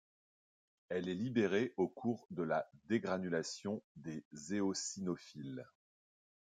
Elle est libérée au cours de la dégranulation des éosinophiles.